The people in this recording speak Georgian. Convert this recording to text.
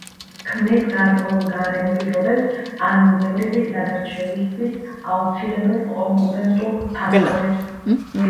ქმნის გარკვეულ გარემო პირობებს, ან ბუნებრივი გადარჩევისთვის აუცილებელ კონკურენტულ ფაქტორებს.